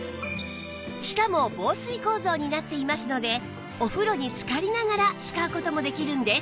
しかも防水構造になっていますのでお風呂につかりながら使う事もできるんです